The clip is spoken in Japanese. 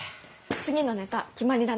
次のネタ決まりだね。